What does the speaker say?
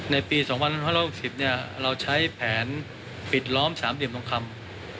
ในปี๒๕๖๐เราใช้แผนปิดล้อมสามเหลี่ยมทองคำ